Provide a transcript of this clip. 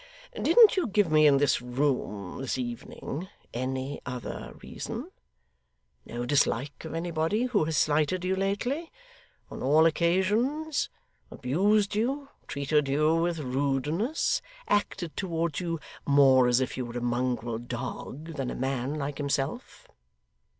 Didn't you give me in this room, this evening, any other reason; no dislike of anybody who has slighted you lately, on all occasions, abused you, treated you with rudeness; acted towards you, more as if you were a mongrel dog than a man like himself?